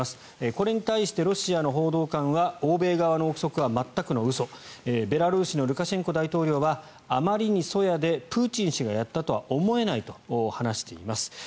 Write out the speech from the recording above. これに対してロシアの報道官は欧米側の臆測は全くの嘘ベラルーシのルカシェンコ大統領はあまりに粗野でプーチン氏がやったとは思えないと話しています。